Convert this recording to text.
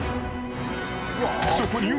そこに運